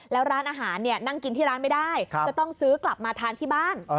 แล้วร้านอาหารนั่งกินที่ร้านไม่ได้จะต้องซื้อกลับมาทานที่บ้าน